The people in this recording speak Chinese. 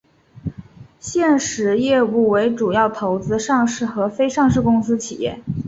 现时业务为主要投资上市和非上市公司企业。